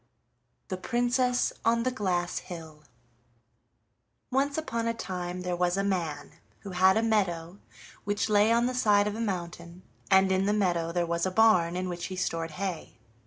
THE PRINCESS ON THE GLASS HILL Once upon a time there was a man who had a meadow which lay on the side of a mountain, and in the meadow there was a barn in which he stored hay.